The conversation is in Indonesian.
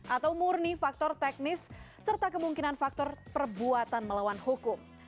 atau murni faktor teknis serta kemungkinan faktor perbuatan melawan hukum